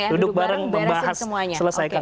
duduk bareng ya beresin semuanya